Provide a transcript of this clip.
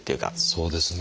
そうですね。